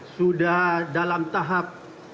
sudah dalam tahap